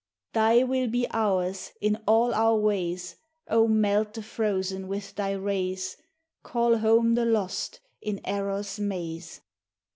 Thy will be ours in all our ways; O melt the frozen with thy rays; Call home the lost in error's maze.